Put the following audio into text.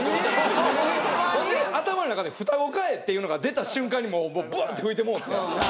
ほんで頭の中で「双子かいっ！」っていうのが出た瞬間にぶわっ！って噴いてもうて。